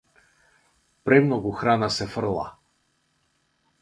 Премногу храна се фрла.